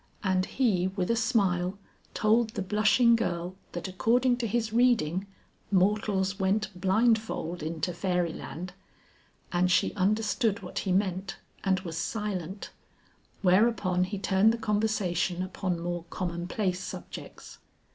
And he with a smile told the blushing girl that according to his reading, mortals went blindfold into fairy land; and she understood what he meant and was silent, whereupon he turned the conversation upon more common place subjects.